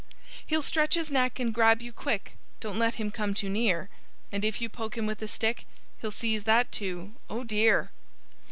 "_ He'll stretch his neck and grab you quick Don't let him come too near! And if you poke him with a stick He'll seize that too oh, dear!